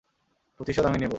প্রতিশোধ আমি নেব।